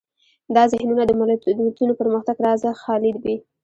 دا ذهنونه د ملتونو پرمختګ رازه خالي وي.